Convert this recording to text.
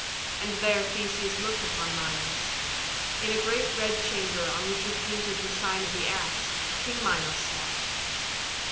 And there Theseus looked upon Minos. In a great red chamber on which was painted the sign of the axe, King Minos sat.